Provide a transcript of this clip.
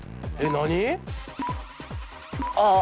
何？